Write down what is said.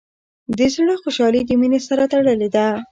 د زړۀ خوشحالي د مینې سره تړلې ده.